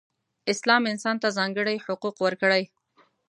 اسلام انسان ته ځانګړې حقوق ورکړئ.